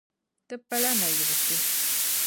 Ti pala nayiɣisi.